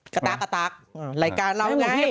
กะตาหลายการเราไง